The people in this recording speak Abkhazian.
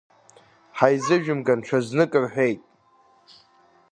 Ҳаизыжәымган ҽазнык рҳәеит.